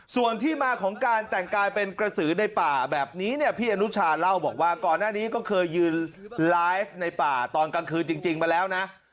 ส่วนที่มาของการแต่งกายเป็นกระสือในป่าแบบนี้เนี่ยพี่อนุชาเล่าบอกว่าก่อนหน้านี้ก็เคยยืนไลฟ์ในป่าตอนกลางคืนจริงมาแล้วนะ